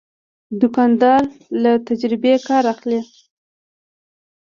دوکاندار له تجربې کار اخلي.